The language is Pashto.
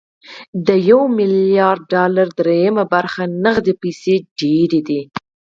د يو ميليارد ډالرو درېيمه برخه نغدې روپۍ ډېرې دي.